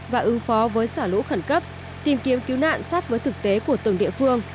và ứng phó với xả lũ khẩn cấp tìm kiếm cứu nạn sát với thực tế của từng địa phương